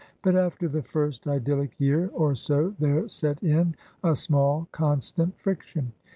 But after the first idyllic year or so there set in a small, constant friction.